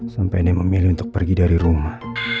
sampai anda memilih untuk pergi dari rumah